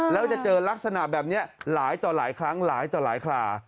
แล้วจะเจอลักษณะแบบนี้หลายต่อหลายครั้งหลายต่อหลายครา